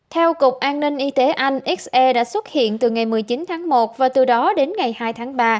theo cục an ninh y tế anh se đã xuất hiện từ ngày một mươi chín tháng một và từ đó đến ngày hai tháng ba